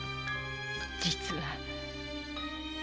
実は。